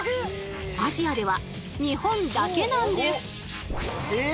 アジアでは日本だけなんです。